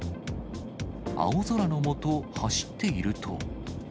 青空の下、走っていると。